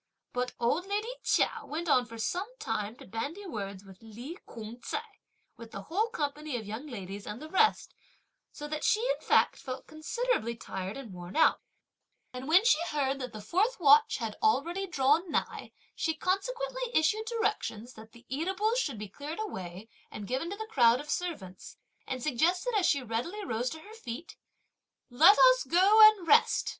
But old lady Chia went on for some time to bandy words with Li Kung ts'ai, with the whole company of young ladies and the rest, so that she, in fact, felt considerably tired and worn out; and when she heard that the fourth watch had already drawn nigh, she consequently issued directions that the eatables should be cleared away and given to the crowd of servants, and suggested, as she readily rose to her feet, "Let us go and rest!